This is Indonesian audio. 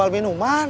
nyari minum dimana